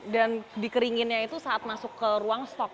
dan dikeringinnya itu saat masuk ke ruang stok